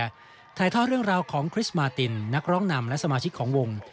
ถ่ายทอดเรื่องราวของคริสต์มาตินนักร้องนำและสมาชิกของวง